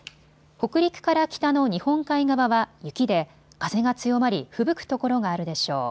北陸から北の日本海側は雪で風が強まりふぶく所があるでしょう。